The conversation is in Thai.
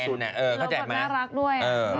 เราก็น่ารักด้วย